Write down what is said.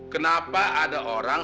kenapa ada orang